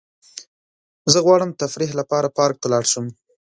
زه غواړم تفریح لپاره پارک ته لاړ شم.